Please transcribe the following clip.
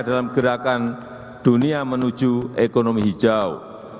dalam gerakan dunia menuju ekonomi hijau